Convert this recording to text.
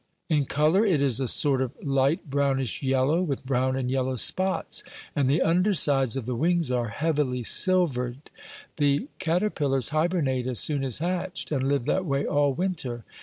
In color it is a sort of light brownish yellow, with brown and yellow spots, and the under sides of the wings are heavily silvered. The caterpillars hibernate as soon as hatched, and live that way all winter.